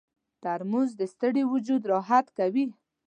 ترموز د ستړي وجود راحت کوي.